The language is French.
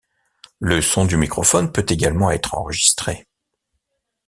Le son du microphone peut également être enregistré.